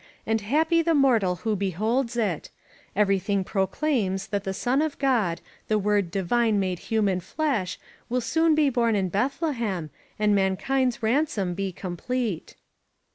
And happy the mortal who beholds it. Everything proclaims that the Son of Cfod, The Word Divine made human flesh, Wm soon be bom in Bethlehem And Tnankind's ransom be complete.